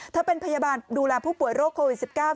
เธอเป็นพยาบาลดูแลผู้ป่วยโรคโควิด๑๙